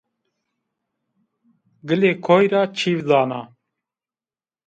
Gilê koyî ra çîv dana